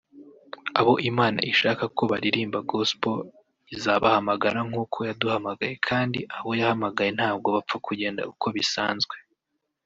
abo Imana ishaka ko baririmba gospel izabahamagara nk’uko yaduhamagaye kandi abo yahamagaye ntabwo bapfa kugenda uko bisanzwe